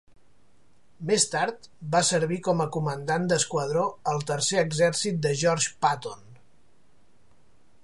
Més tard, va servir com a comandant d'esquadró al Tercer Exèrcit de George Patton.